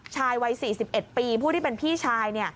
ชายวัย๔๑ปีผู้ที่เป็นพี่ชาย